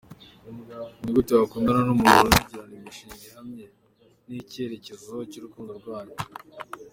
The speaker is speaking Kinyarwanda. Ni gute wakundana n’umuntu ntimugirane imishinga ihamye n’icyerekezo cy’urukundo rwanyu?.